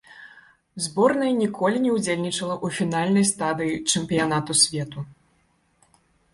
Зборная ніколі не ўдзельнічала ў фінальнай стадыі чэмпіянату свету.